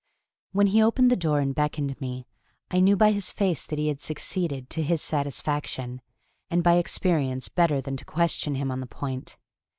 When he opened the door and beckoned to me, I knew by his face that he had succeeded to his satisfaction, and by experience better than to question him on the point.